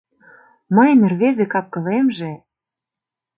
Мыйын рвезе кап-кылемже